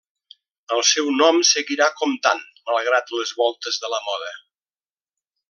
El seu nom seguirà comptant malgrat les voltes de la moda.